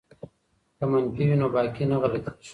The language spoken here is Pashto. که منفي وي نو باقی نه غلطیږي.